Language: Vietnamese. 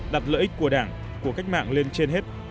đặt lợi ích của đảng của cách mạng lên trên hết